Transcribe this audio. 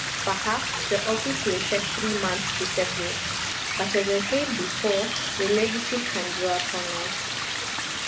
Perhaps the office will take three months to settle. But, as I said before, your ladyship can draw upon us."